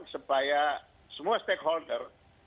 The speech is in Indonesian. supaya semua stakeholder